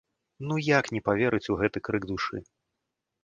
Ну як не паверыць у гэты крык душы?